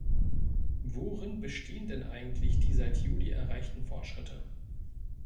Worin bestehen denn eigentlich die seit Juli erreichten Fortschritte?